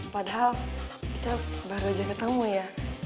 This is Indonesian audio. padahal kita baru aja ketemu ya